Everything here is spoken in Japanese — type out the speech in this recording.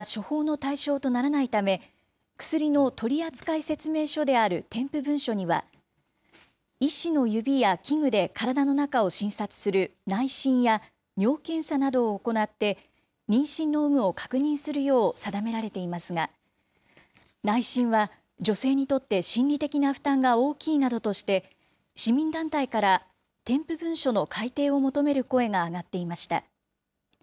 すでに妊娠している場合は処方の対象とならないため、薬の取り扱い説明書である添付文書には、医師の指や器具で体の中を診察する内診や、尿検査などを行って、妊娠の有無を確認するよう定められていますが、内診は女性にとって心理的な負担が大きいなどとして、市民団体から、添付文書の改定を求める声が上がっていました。